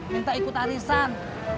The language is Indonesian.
minta ikut arisan